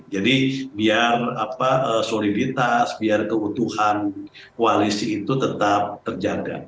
jadi biar soliditas biar keutuhan kualisi itu tetap terjaga